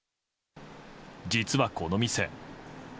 実は、この店。